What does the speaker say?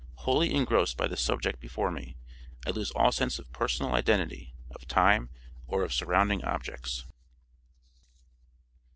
Wholly engrossed by the subject before me, I lose all sense of personal identity, of time, or of surrounding objects."